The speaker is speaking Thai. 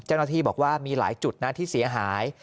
เจ้าหน้าที่บอกว่ามีหลายจุดนะที่เสียหาย